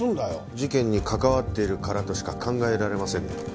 事件に関わっているからとしか考えられませんね。